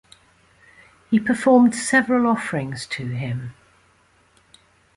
He performed several offerings to him.